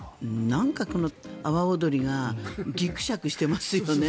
なんか阿波おどりがぎくしゃくしてますよね。